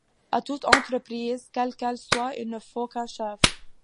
À toute entreprise, quelle qu’elle soit, il ne faut qu’un chef.